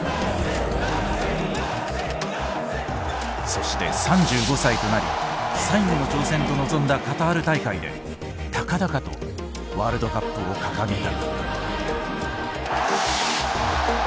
そして３５歳となり「最後の挑戦」と臨んだカタール大会で高々とワールドカップを掲げた。